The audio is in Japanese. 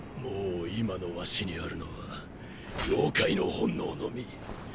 もう今のワシにあるのは妖怪の本能のみ！